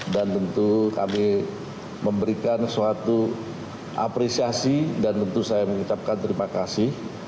dan tentu kami memberikan suatu apresiasi dan tentu saya mengucapkan terima kasih